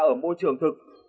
ở môi trường thực